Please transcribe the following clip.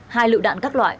hai lựu đạn các loại